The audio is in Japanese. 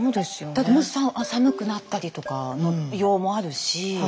だってもし寒くなったりとかの用もあるし